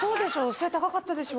背高かったでしょ？